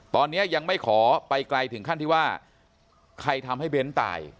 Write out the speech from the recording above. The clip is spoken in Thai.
ตอนนี้ยังไม่ขอไปไกลถึงขั้นที่ว่าใครทำให้เบ้นตาย